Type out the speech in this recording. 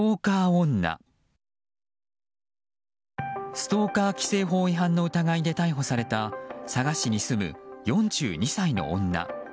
ストーカー規制法違反の疑いで逮捕された佐賀市に住む４２歳の女。